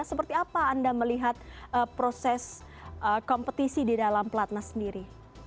seperti apa anda melihat proses kompetisi di dalam pelatnas sendiri